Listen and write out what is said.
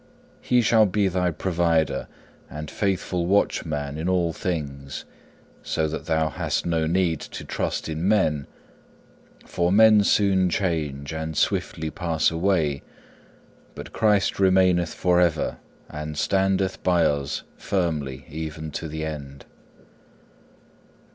He shall be thy provider and faithful watchman in all things, so that thou hast no need to trust in men, for men soon change and swiftly pass away, but Christ remaineth for ever and standeth by us firmly even to the end.